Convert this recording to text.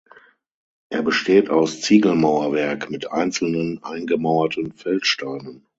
Er besteht aus Ziegelmauerwerk mit einzelnen eingemauerten Feldsteinen.